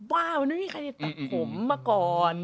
ว้าวไม่มีใครตัดผมก่อน